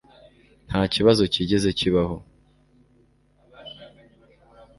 Nta kibazo cyigeze kibaho